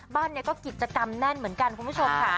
บ้านนี้ก็กิจกรรมแน่นเหมือนกันคุณผู้ชมค่ะ